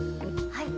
はい。